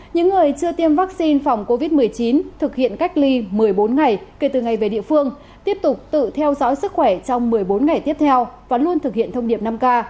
những người chưa tiêm vaccine phòng covid một mươi chín thực hiện cách ly một mươi bốn ngày kể từ ngày về địa phương tiếp tục tự theo dõi sức khỏe trong một mươi bốn ngày tiếp theo và luôn thực hiện thông điệp năm k